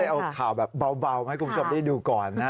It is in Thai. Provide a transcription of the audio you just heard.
เอาข่าวแบบเบามาให้คุณผู้ชมได้ดูก่อนนะ